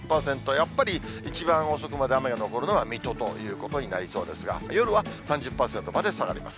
やっぱり一番遅くまで雨が残るのは水戸ということになりそうですが、夜は３０％迄下がります。